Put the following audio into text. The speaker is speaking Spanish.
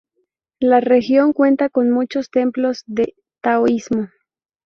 La región cuenta con muchos templos del taoísmo.